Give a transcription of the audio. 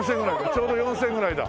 ちょうど４０００円ぐらいだ。